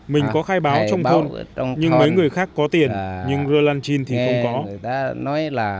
mình có khai báo trong thôn nhưng mấy người khác có tiền nhưng roland chin thì không có